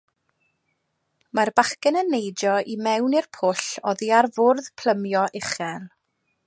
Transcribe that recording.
Mae'r bachgen yn neidio i mewn i'r pwll oddi ar fwrdd plymio uchel.